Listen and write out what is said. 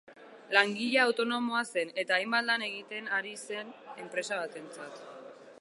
Langilea autonomoa zen, eta hainbat lan egiten ari zen enpresa batentzat.